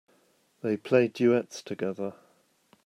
They play duets together.